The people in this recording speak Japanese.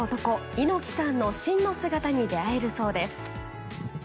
猪木さんの真の姿に出会えるそうです。